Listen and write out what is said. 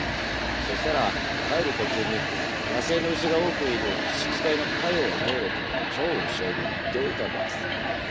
そしたら帰る途中に野生の牛が多くいる湿地帯の華容を通れと趙雲将軍に言っておいたのです。